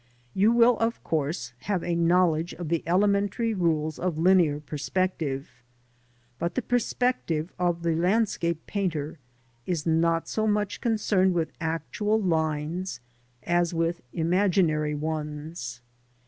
You will of course have a knowledge of the elementary rules of linear perspective, but the perspective of the landscape painter is not so much concerned with actual lines as with imaginary ones.